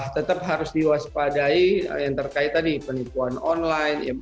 tetap harus diwaspadai yang terkait tadi penipuan online